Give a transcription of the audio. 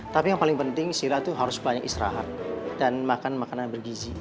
tapi yang paling penting sira itu harus banyak istirahat dan makan makanan bergizi